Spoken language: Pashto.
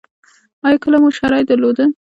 ایا کله مو شری درلوده؟